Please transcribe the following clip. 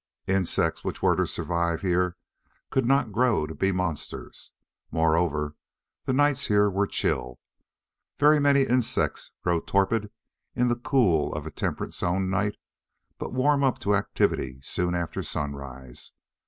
Insects which were to survive, here, could not grow to be monsters. Moreover, the nights here were chill. Very many insects grow torpid in the cool of a temperate zone night, but warm up to activity soon after sunrise.